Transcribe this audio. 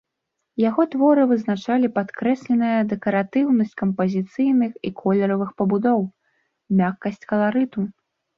Яго творы вызначалі падкрэсленая дэкаратыўнасць кампазіцыйных і колеравых пабудоў, мяккасць каларыту.